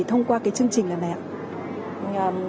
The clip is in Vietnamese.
thông qua cái chương trình này ạ